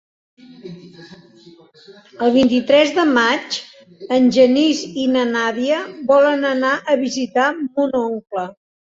El vint-i-tres de maig en Genís i na Nàdia volen anar a visitar mon oncle.